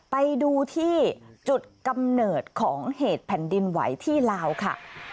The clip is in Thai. ไปดูที่จุดกำเนิดของเหตุแผ่นดินไหวที่ลาวค่ะ